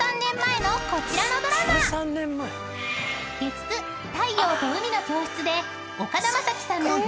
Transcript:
［月９『太陽と海の教室』で］